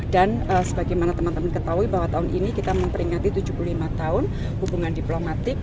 dan sebagaimana teman teman ketahui bahwa tahun ini kita memperingati tujuh puluh lima tahun hubungan diplomatik